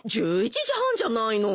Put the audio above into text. １１時半じゃないの。